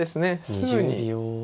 すぐに。